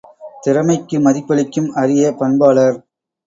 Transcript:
திறமைக்கு மதிப்பளிக்கும் அரிய பண்பாளர்.